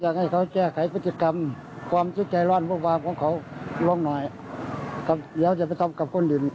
ขอบคุณครับ